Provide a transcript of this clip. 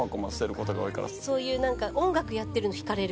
そういうなんか音楽やってるの惹かれる。